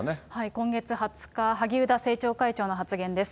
今月２０日、萩生田政調会長の発言です。